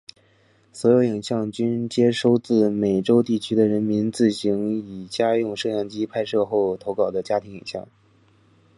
所有影像均接收自美洲地区的人民自行以家用摄影机拍摄后投稿的家庭影像。